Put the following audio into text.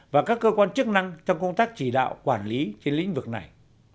và các cơ quan chức năng trong công tác chỉ đạo quản lý trên lĩnh vực này